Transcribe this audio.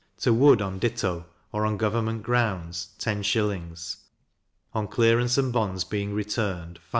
to wood on ditto, or on government grounds, 10s.; on clearance and bonds being returned 5s.